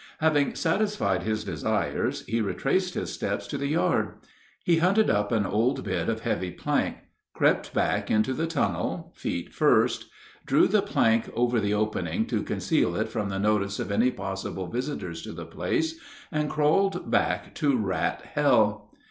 Having satisfied his desires, he retraced his steps to the yard. He hunted up an old bit of heavy plank crept back into the tunnel feet first, drew the plank over the opening to conceal it from the notice of any possible visitors to the place, and crawled back to Rat Hell.